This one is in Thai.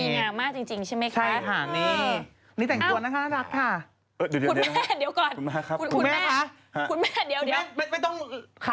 ดีงามมากจริงใช่ไหมคะใช่ค่ะนี่นี่แต่งตัวนะครับนักรักค่ะ